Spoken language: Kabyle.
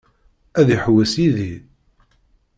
Ad iḥewwes yid-i?